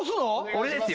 俺ですよ。